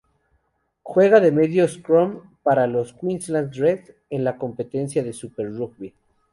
Juega de medio scrum para los Queensland Reds en la competición de Super Rugby.